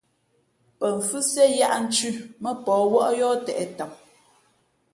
Pαfhʉ́siē yǎʼnthʉ̄ mά pαh wᾱʼ yǒh těʼ tam.